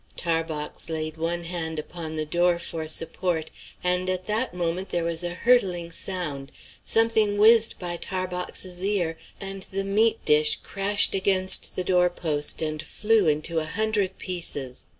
Tarbox laid one hand upon the door for support, and at that moment there was a hurtling sound; something whizzed by Tarbox's ear, and the meat dish crashed against the door post, and flew into a hundred pieces.